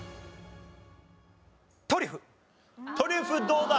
トリュフどうだ？